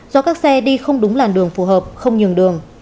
do các xe đi không đúng làn đường phù hợp không nhường đường